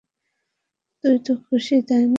তুই তো খুশি, তাই না?